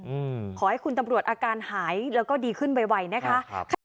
อืมขอให้คุณตำรวจอาการหายแล้วก็ดีขึ้นไวนะคะครับค่ะ